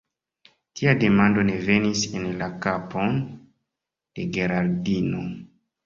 Tia demando ne venis en la kapon de Geraldino: